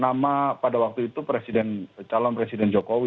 nama pada waktu itu calon presiden jokowi